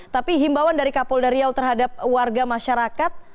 tapi himbauan dari kapol dariau terhadap warga masyarakat